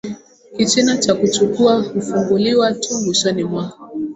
Kichina cha kuchukua hufunguliwa tu mwishoni mwa